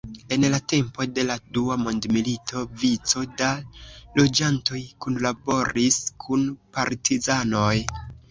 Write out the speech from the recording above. En la tempo de la dua mondmilito vico da loĝantoj kunlaboris kun partizanoj.